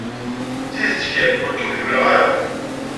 Tidet kan, ur kem-ḥemmleɣ ara.